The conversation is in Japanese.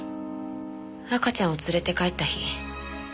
赤ちゃんを連れて帰った日。